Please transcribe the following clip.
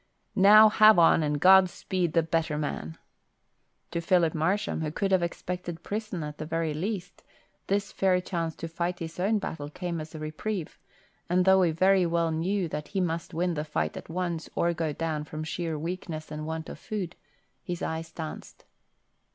Now have on, and God speed the better man." To Philip Marsham, who could have expected prison at the very least, this fair chance to fight his own battle came as a reprieve; and though he very well knew that he must win the fight at once or go down from sheer weakness and want of food, his eyes danced.